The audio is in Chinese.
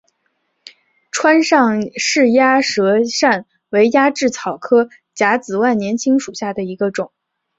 川上氏鸭舌疝为鸭跖草科假紫万年青属下的一个种。